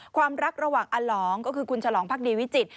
ความรักระหว่างอลองก็คือคุณฉลองพักดีวิจิตร